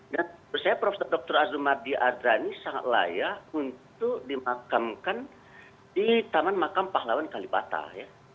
dan saya prof dr azumati andra ini sangat layak untuk dimakamkan di taman makam pahlawan kalipata ya